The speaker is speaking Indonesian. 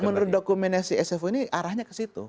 kalau menurut dokumennya si sfo ini arahnya ke situ